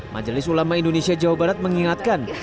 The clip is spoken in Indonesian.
majelis ulama indonesia jawa barat mengingatkan